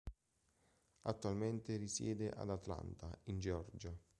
Attualmente risiede ad Atlanta, in Georgia.